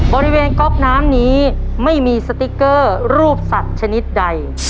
ก๊อกน้ำนี้ไม่มีสติ๊กเกอร์รูปสัตว์ชนิดใด